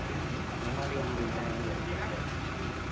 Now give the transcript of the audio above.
สุดท้ายสุดท้ายสุดท้าย